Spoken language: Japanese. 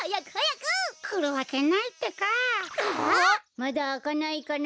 まだあかないかな。